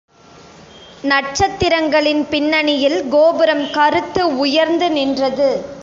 நட்சத்திரங்களின் பின்னணியில் கோபுரம் கறுத்து உயர்ந்து நின்றது.